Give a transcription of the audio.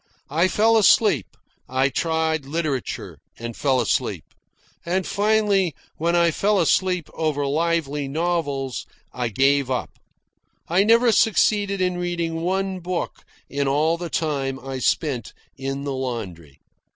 I fell asleep. I tried literature, and fell asleep. And finally, when I fell asleep over lively novels, I gave up. I never succeeded in reading one book in all the time I spent in the laundry.